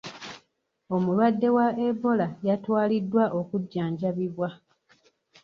Omulwadde wa Ebola yatwaliddwa okujjanjabibwa.